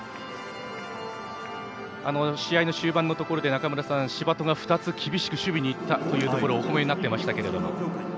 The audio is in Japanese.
試合の終盤で中村さん柴戸が２つ厳しく守備に行ったところをお褒めになっていましたが。